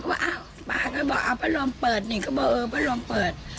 ก็บอกว่าอ้าวป้าก็บอกอ้าวพระรมเปิดนี่ก็บอกเออพระรมเปิด